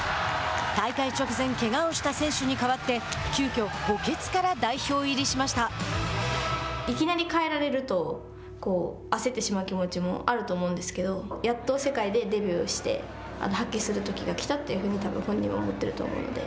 大会直前けがをした選手に代わっていきなり代えられると、焦ってしまう気持ちもあると思うんですけどやっと世界でデビューして、発揮するときが来たというふうにたぶん本人は思っていると思うので。